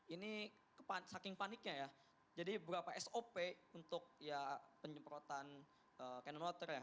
ini saking paniknya ya jadi berapa sop untuk ya penyemprotan cannon water ya